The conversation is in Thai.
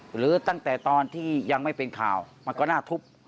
หรือตั้งแต่ตอนที่ยังไม่เป็นข่าวมันก็น่าทุบ